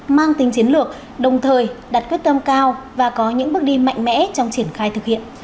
mang tính chiến lược đồng thời đặt quyết tâm cao và có những bước đi mạnh mẽ trong triển khai thực hiện